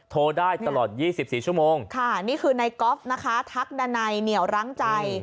โทรได้ตลอด๒๔ชั่วโมงค่ะนี่คือในก๊อฟนะคะทักดันัยเหนียวรั้งใจ